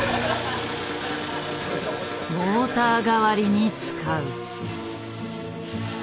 モーター代わりに使う。